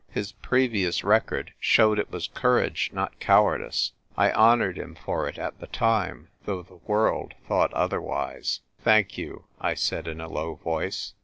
His previous record showed it was courage, not cowardice. I honoured him for it at the time — though the world thought otherwise." "Thank you," I said in a low voice.